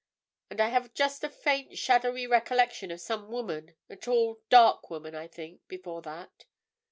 And I have just a faint, shadowy recollection of some woman, a tall, dark woman, I think, before that."